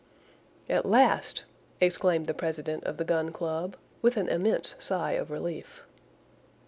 "At last!" exclaimed the president of the Gun Club, with an immense sigh of relief.